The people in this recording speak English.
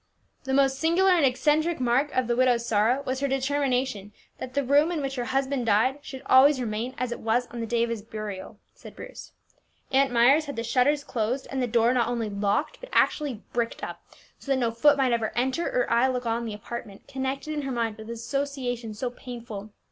"The most singular and eccentric mark of the widow's sorrow was her determination that the room in which her husband died should always remain as it was on the day of his burial," said Bruce. "Aunt Myers had the shutters closed, and the door not only locked, but actually bricked up, so that no foot might ever enter or eye look on the apartment connected in her mind with associations so painful.